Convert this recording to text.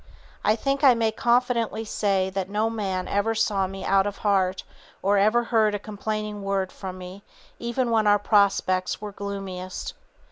I think I may confidently say that no man ever saw me out of heart or ever heard a complaining word from me even when our prospects were gloomiest.